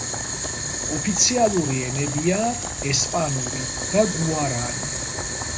ოფიციალური ენებია ესპანური და გუარანი.